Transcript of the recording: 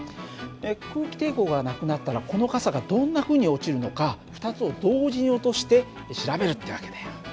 空気抵抗がなくなったらこの傘がどんなふうに落ちるのか２つを同時に落として調べるって訳だよ。